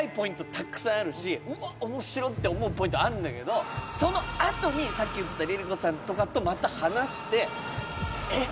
たくさんあるしうわっおもしろって思うポイントあるんだけどそのあとにさっき言ってたＬｉＬｉＣｏさんとかとまた話してえっ